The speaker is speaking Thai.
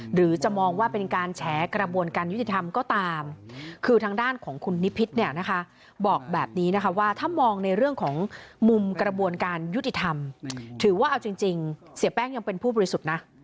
หรือจะมองว่าเป็นการแฉกระบวนการยุติธรรมก็ตามคือทางด้านของคุณนิพิษเนี่ยนะคะบอกแบบนี้นะคะว่าถ้ามองในเรื่องของมุมกระบวนการยุติธรรมถือว่าเอาจริงเสียแป้งยังเป็นผู้บริสุทธิ์นะ